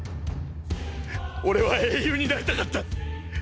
俺は英雄になりたかった！！